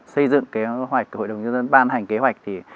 xây dựng kế hoạch hội đồng nhân dân ban hành kế hoạch